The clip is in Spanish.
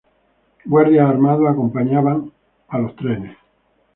Guardias armados acompañan a los trenes.